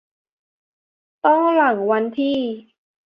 ต้องหลังวันที่